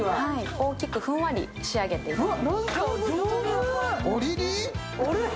大きくふんわり仕上げていきます。